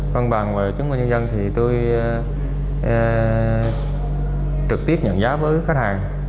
văn bàn về chứng minh nhân dân thì tôi trực tiếp nhận giá với khách hàng